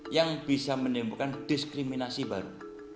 yang bisa menimbulkan diskriminasi baru